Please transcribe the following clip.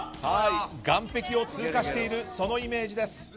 岸壁を通過しているイメージです。